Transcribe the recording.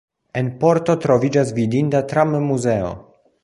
En Porto troviĝas vidinda tram-muzeo.